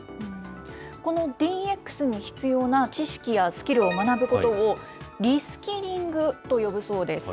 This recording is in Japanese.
このＤＸに必要な知識やスキルを学ぶことを、リスキリングと呼ぶそうです。